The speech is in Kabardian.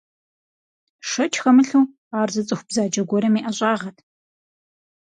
Шэч хэмылъу, ар зы цӀыху бзаджэ гуэрым и ӀэщӀагъэт.